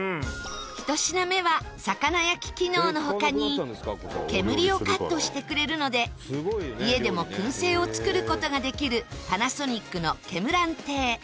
１品目は魚焼き機能の他に煙をカットしてくれるので家でも燻製を作る事ができるＰａｎａｓｏｎｉｃのけむらん亭